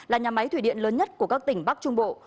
là nhà máy thủy điện lớn nhất của các tỉnh bắc trung bộ